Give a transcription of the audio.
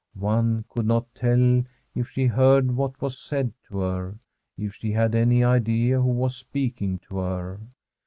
One could not tell if she heard what was said to her, if she had any idea who was speaking to her.